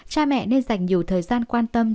cha mẹ nên dành nhiều thời gian quan tâm